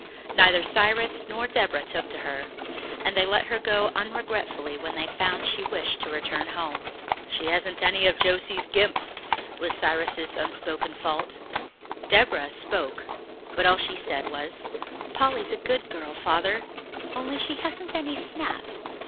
Yet neither Cyrus nor Deborah took to her, and they let her go unregretfully when they found that she wished to return home. "She hasn't any of Josie's gimp," was old Cyrus's unspoken fault. Deborah spoke, but all she said was, "Polly's a good girl, Father, only she hasn't any snap."